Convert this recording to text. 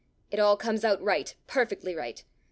It all comes out right, perfectly right!